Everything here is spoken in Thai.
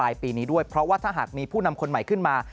ปีนี้ด้วยเพราะว่าถ้าหากมีผู้นำคนใหม่ขึ้นมา